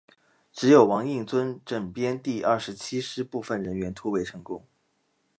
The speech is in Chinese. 只有王应尊整编第二十七师部分人员突围成功。